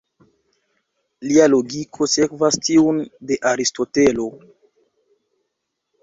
Lia logiko sekvas tiun de Aristotelo.